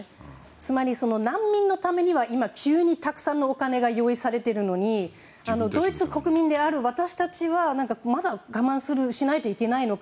つまり、難民のためには急に今たくさんのお金が用意されているのにドイツ国民である私たちはまだ我慢しないといけないのか。